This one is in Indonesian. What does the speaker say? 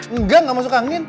enggak gak masuk angin